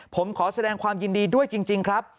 ผมขอแสดงความยินดีด้วยจริงครับ